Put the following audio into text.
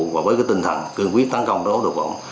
và với cái tinh thần cương quyết tăng công đó